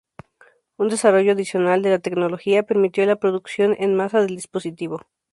Un desarrollo adicional de la tecnología permitió la producción en masa del dispositivo.